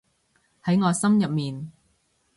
喺我心入面